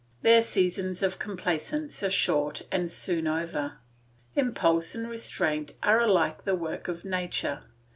Their seasons of complaisance are short and soon over. Impulse and restraint are alike the work of nature.